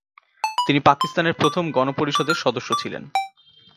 তিনি পাকিস্তানের প্রথম গণপরিষদের সদস্য ছিলেন।